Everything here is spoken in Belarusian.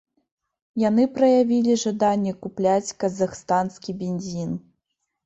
Яны праявілі жаданне купляць казахстанскі бензін.